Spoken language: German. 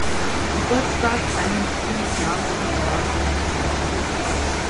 Geburtstag einen Fünfjahresvertrag unterzeichnete.